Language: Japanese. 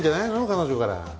彼女から。